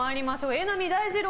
榎並大二郎